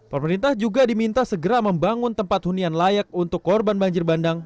pemerintah juga diminta segera membangun tempat hunian layak untuk korban banjir bandang